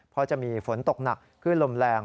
เพราะจะมีฝนตกหนักคลื่นลมแรง